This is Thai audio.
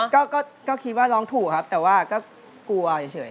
ก็คิดว่าร้องถูกครับแต่ว่าก็กลัวเฉย